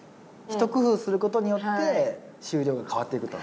一工夫することによって収量が変わっていくと。